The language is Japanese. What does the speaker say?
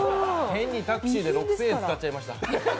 変にタクシーに６０００円使っちゃいました。